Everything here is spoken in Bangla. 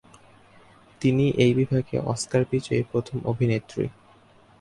তিনিই এই বিভাগে অস্কার বিজয়ী প্রথম অভিনেত্রী।